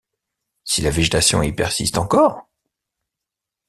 Si la végétation y persiste encore?